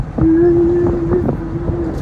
现在该岛上常住人口仅两人。